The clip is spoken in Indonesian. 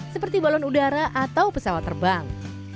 seperti balon udara atau pesawat terbang